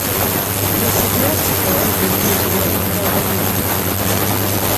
د سګرټ څکول د وینې جریان خرابوي.